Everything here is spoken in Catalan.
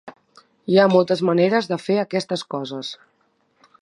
Hi ha moltes maneres de fer aquestes coses.